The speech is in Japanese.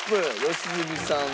良純さん